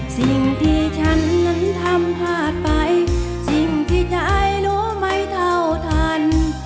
สิ่งที่ฉันนั้นทำพลาดไปสิ่งที่ใจรู้ไม่เท่าทัน